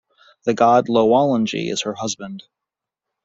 The god Lowalangi is her husband.